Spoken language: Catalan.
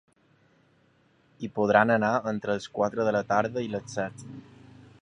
Hi podran anar entre els quatre de la tarda i les set.